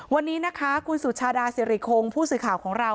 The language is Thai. วันนี้นะคะคุณสุชาดาสิริคงผู้สื่อข่าวของเรา